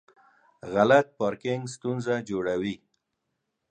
غلط پارکینګ ستونزه جوړوي.